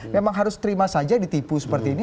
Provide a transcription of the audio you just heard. memang harus terima saja ditipu seperti ini